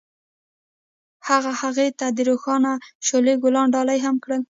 هغه هغې ته د روښانه شعله ګلان ډالۍ هم کړل.